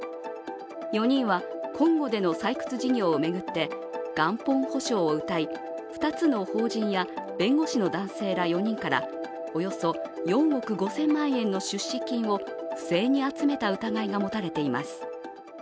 ４人はコンゴでの採掘事業を巡って元本保証をうたい２つの法人や弁護士の男性ら４人からおよそ４億５０００万円の出資金を不正に集めた疑いが持たれています。